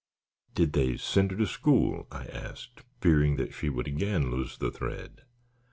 "Did they send her to school?" I asked, fearing she would again lose the thread.